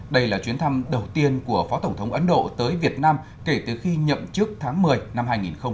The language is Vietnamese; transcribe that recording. đây là chuyến thăm đầu tiên của phó tổng thống ấn độ tới việt nam kể từ khi nhậm chức tháng một mươi năm hai nghìn một mươi tám